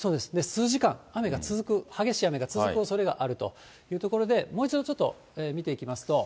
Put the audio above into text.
数時間、雨が続く、激しい雨が続くおそれがあるということで、もう一度、ちょっと見ていきますと。